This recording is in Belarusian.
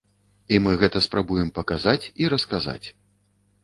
І мы гэта спрабуем паказаць і расказаць.